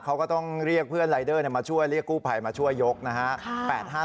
เขาก็ต้องเรียกเพื่อนรายเดอร์มาช่วยเรียกกู้ภัยมาช่วยยกนะฮะ